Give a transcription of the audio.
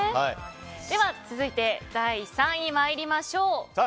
では続いて第３位参りましょう。